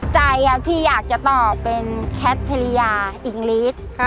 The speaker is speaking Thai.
ใจพี่อยากจะตอบเป็นคัตริยาอิงกลิสต์